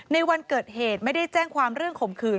ในวันเกิดเหตุไม่ได้แจ้งความเรื่องข่มขืน